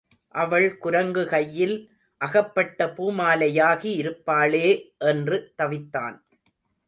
அவள் குரங்கு கையில் அகப்பட்ட பூமாலையாகி இருப்பாளே என்று தவித்தான்.